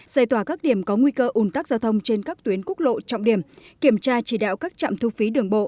giải tỏa các điểm có nguy cơ ủn tắc giao thông trên các tuyến quốc lộ trọng điểm kiểm tra chỉ đạo các trạm thu phí đường bộ